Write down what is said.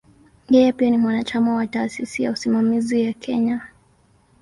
Yeye pia ni mwanachama wa "Taasisi ya Usimamizi ya Kenya".